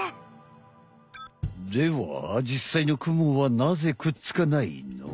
では実際のクモはなぜくっつかないの？